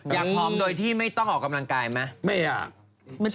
อยากพร้อมโดยที่ไม่ต้องออกกำลังกายไหม